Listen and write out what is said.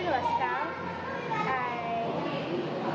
pembeliannya sudah selesai